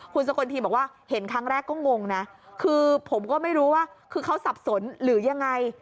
คุณสกลทีบอกว่าเห็นครั้งแรกก็งงนะคือผมก็ไม่รู้ว่าคือเขาสับสนหรือยังไง